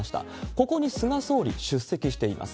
ここに菅総理、出席しています。